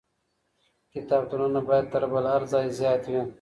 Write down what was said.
کتابتونونه بايد تر بل هر ځای زيات وي.